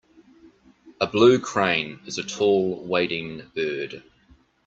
A blue crane is a tall wading bird.